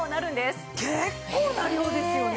結構な量ですよね。